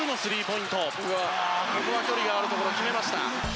シュートこれは距離のあるところ決めました。